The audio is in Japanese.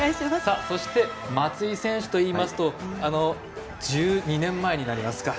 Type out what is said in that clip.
そして、松井選手といいますとあの１２年前になりますか。